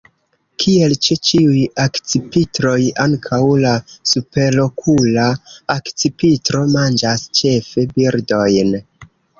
Kiel ĉe ĉiuj akcipitroj, ankaŭ la Superokula akcipitro manĝas ĉefe birdojn.